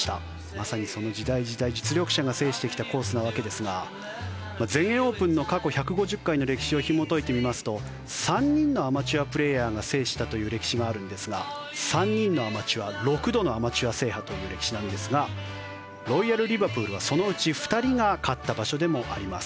まさにその時代時代、実力者が制してきたコースのわけですが全英オープンの過去１５０回の歴史をひもといてみますと３人のアマチュアプレーヤーが制したという歴史があるんですが３人のアマチュア６度のアマチュア制覇という歴史なんですがロイヤル・リバプールはそのうち２人が勝った場所でもあります。